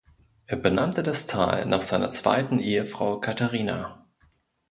Er benannte das Tal nach seiner zweiten Ehefrau Katharina.